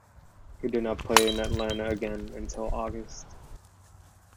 He did not play in Atlanta again until August.